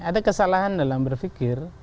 ada kesalahan dalam berpikir